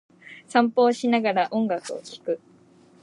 散歩をしながら、音楽を聴く。